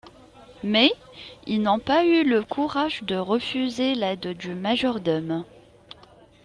Mais, ils n'ont pas eu le courage de refuser l'aide du majordome.